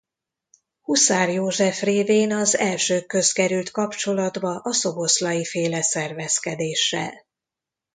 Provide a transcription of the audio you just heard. Huszár József révén az elsők közt került kapcsolatba a Szoboszlay-féle szervezkedéssel.